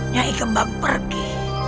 nyai kembang pergi